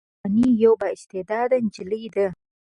ماريه روحاني يوه با استعداده نجلۍ ده.